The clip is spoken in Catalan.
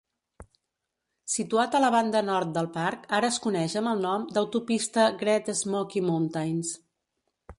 Situat a la banda nord del parc, ara es coneix amb el nom d'autopista Great Smoky Mountains.